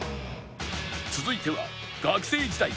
続いては学生時代